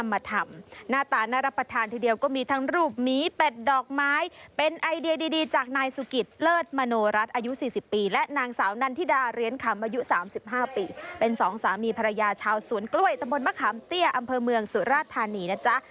มาทำหน้าตาน่ารับประทานทีเดียวก็มีทั้งรูปหมีเป็ดดอกไม้เป็นไอเดียดีจากนายสุกิตเลิศมโนรัฐอายุ๔๐ปีและนางสาวนันทิดาเรียนคำอายุ๓๕ปีเป็นสองสามีภรรยาชาวสวนกล้วยตะบนมะขามเตี้ยอำเภอเมืองสุราธานีนะจ๊ะ